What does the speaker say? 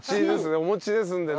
お餅ですんでね。